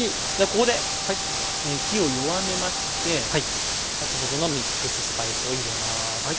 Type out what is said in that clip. ここで火を弱めまして先ほどのミックススパイスを入れます。